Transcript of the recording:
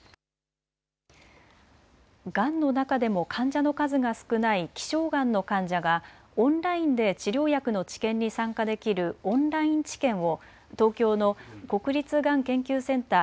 がんの中でも患者の数が少ない希少がんの患者がオンラインで治療薬の治験に参加できるオンライン治験を東京の国立がん研究センター